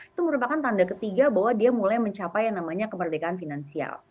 itu merupakan tanda ketiga bahwa dia mulai mencapai yang namanya kemerdekaan finansial